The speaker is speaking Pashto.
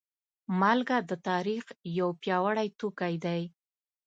مالګه د تاریخ یو پیاوړی توکی دی.